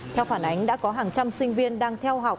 theo phản ánh đã có hàng trăm sinh viên đang theo học